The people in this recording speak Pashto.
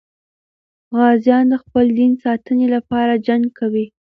غازیان د خپل دین ساتنې لپاره جنګ کوي.